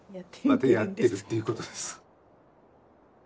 またやってるっていうことです。